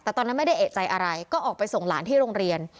แต่ตอนนั้นไม่ได้เอกใจอะไรก็ออกไปส่งหลานที่โรงเรียน